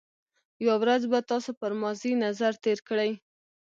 یو ورځ به تاسو پر ماضي نظر تېر کړئ.